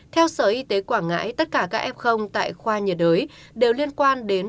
theo sở y tế quảng ngãi tất cả các f tại khoa nhiệt đới đều liên quan đến